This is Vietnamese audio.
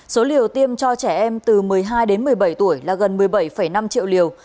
số liều tiêm cho trẻ em từ một mươi hai đến một mươi bảy tuổi là gần một mươi bảy năm triệu liều